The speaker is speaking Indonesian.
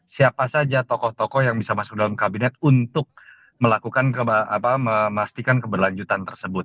siapa saja tokoh tokoh yang bisa masuk dalam kabinet untuk melakukan memastikan keberlanjutan tersebut